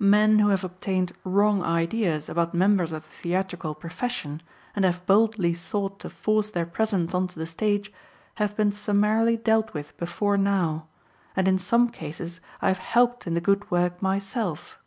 Men who have obtained wrong ideas about members of the theatrical profession and have boldly sought to force their presence onto the stage have been summarily dealt with before now and in some cases I have helped in the good work myself.